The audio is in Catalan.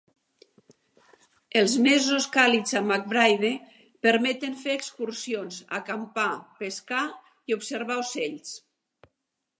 Els mesos càlids a McBride permeten fer excursions, acampar, pescar i observar ocells.